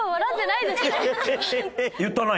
言ったな！